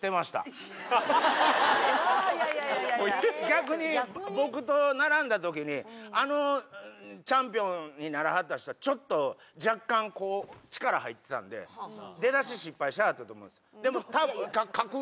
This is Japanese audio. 逆に僕と並んだときにあのチャンピオンにならはった人はちょっと若干こう力入ってたんで出だし失敗しはったと思うんですでもたぶん。